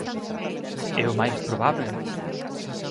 É o máis probábel.